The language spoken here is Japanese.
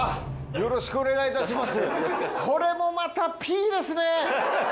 よろしくお願いします。